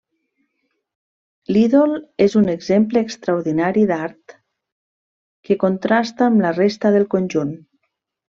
L'ídol és un exemple extraordinari d'art que contrasta amb la resta del conjunt.